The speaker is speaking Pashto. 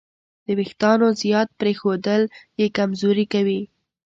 د وېښتیانو زیات پرېښودل یې کمزوري کوي.